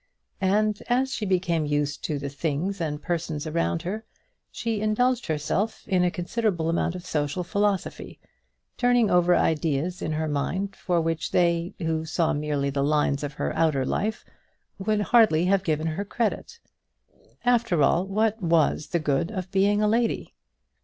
And, as she became used to the things and persons around her, she indulged herself in a considerable amount of social philosophy, turning over ideas in her mind for which they, who saw merely the lines of her outer life, would hardly have given her credit. After all, what was the good of being a lady?